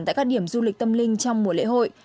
tại các điểm du lịch tâm linh trong mùa lễ hội